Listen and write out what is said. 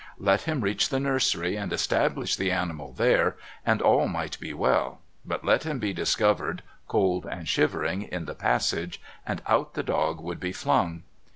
Let him reach the nursery and establish the animal there and all might be well, but let them be discovered, cold and shivering, in the passage, and out the dog would be flung.